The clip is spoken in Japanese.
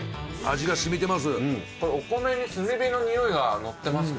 味が染みてます。